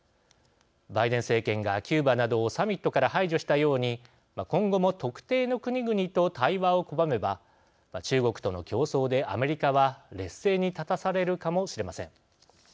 バイデン政権がキューバなどをサミットから排除したように今後も特定の国々と対話を拒めば中国との競争でアメリカは劣勢に立たされるかもしれません。